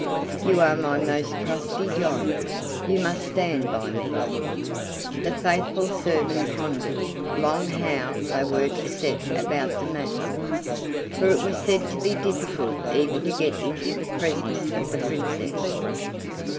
You are my most trusty John: you must stand by me." The faithful servant pondered long how they were to set about the matter, for it was said to be difficult even to get into the presence of the Princess.